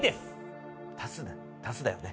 「足す」だよね。